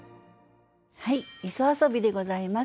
はい「磯遊」でございます。